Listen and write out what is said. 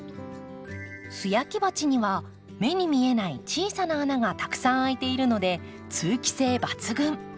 素焼き鉢には目に見えない小さな穴がたくさん開いているので通気性抜群。